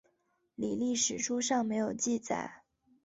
李历史书上没有记载。